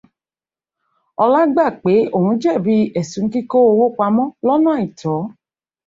Ọlá gbà pé òun jẹ̀bi ẹ̀sùn kíkó owó pamọ̀ lọ́nà àìtọ́.